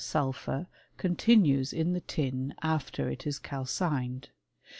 sulphur continues in the tin after it is calcined.